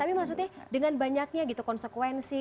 tapi maksudnya dengan banyaknya gitu konsekuensi